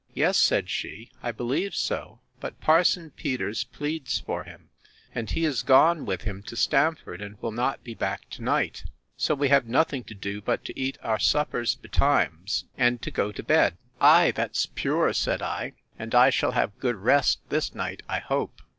Yes, said she, I believe so; but Parson Peters pleads for him, and he is gone with him to Stamford, and will not be back to night: so we have nothing to do, but to eat our suppers betimes, and go to bed. Ay, that's pure, said I; and I shall have good rest this night, I hope.